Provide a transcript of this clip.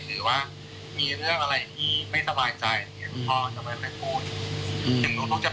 แต่ว่าคุณพ่อเป็นยังไงอะไรยังไง